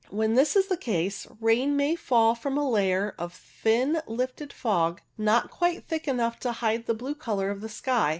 When this is the case, rain may fall from a layer of thin lifted fog, not quite thick enough to hide the blue colour of the sky.